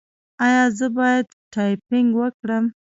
ایا زه باید ټایپینګ وکړم؟